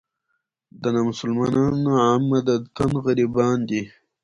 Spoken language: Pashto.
دا نامسلمانان عمدتاً غربیان دي.